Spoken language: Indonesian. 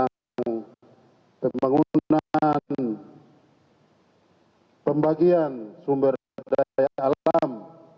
tentang pembangunan pembagian sumber daya alam